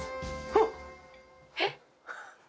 あっえっ